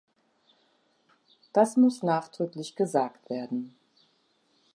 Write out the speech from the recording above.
Das muss nachdrücklich gesagt werden.